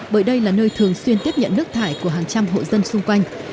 bởi đây là nơi thường xuyên tiếp nhận nước thải của hàng trăm hộ dân xung quanh